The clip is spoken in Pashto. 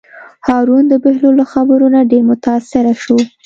هارون د بهلول له خبرو نه ډېر متأثره شو.